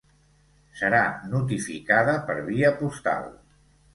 Serà notificada per via postal.